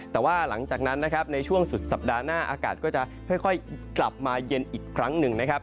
แต่ว่าหลังจากนั้นนะครับในช่วงสุดสัปดาห์หน้าอากาศก็จะค่อยกลับมาเย็นอีกครั้งหนึ่งนะครับ